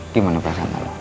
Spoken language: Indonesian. gimana perasaan kamu